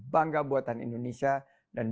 bangga buatan indonesia dan